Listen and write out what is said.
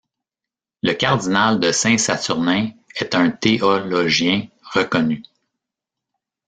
Le cardinal de Saint-Saturnin est un théologien reconnu.